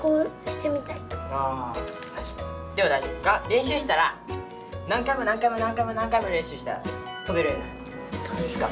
練習したら何回も何回も何回も何回も練習したらとべるようになるいつか。